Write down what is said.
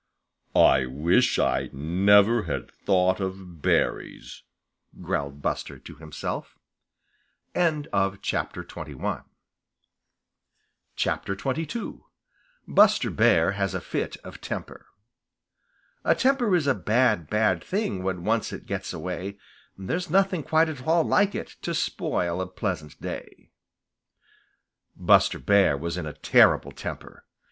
"I wish I never had thought of berries," growled Buster to himself. XXII BUSTER BEAR HAS A FIT OF TEMPER A temper is a bad, bad thing When once it gets away. There's nothing quite at all like it To spoil a pleasant day. Buster Bear was in a terrible temper.